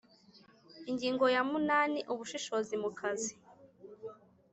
Ingingo ya munani Ubushishozi mu kazi